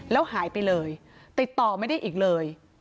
แล้วหายไปเลยติดต่อไม่ได้อีกเลย